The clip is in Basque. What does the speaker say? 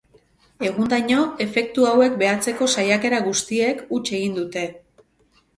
Egundaino, efektu hauek behatzeko saiakera guztiek huts egin dute.